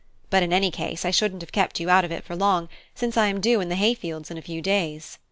But in any case I shouldn't have kept you out of it for long, since I am due in the hay fields in a few days."